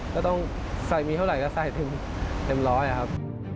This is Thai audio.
ก็ต้องใส่มีเท่าไหร่ก็ใส่เต็มร้อยครับ